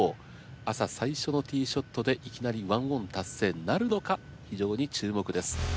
朝最初のティーショットでいきなり１オン達成なるのか非常に注目です。